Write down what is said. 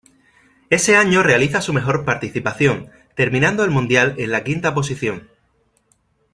Ese año realiza su mejor participación, terminando el mundial en la quinta posición.